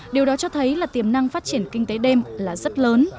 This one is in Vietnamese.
điều đó cho thấy là tiềm năng phát triển kinh tế đêm là rất lớn